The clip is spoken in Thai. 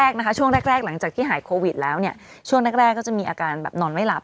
ช่วงแรกหลังจากที่หายโควิดแล้วเนี่ยช่วงแรกก็จะมีอาการแบบนอนไม่หลับ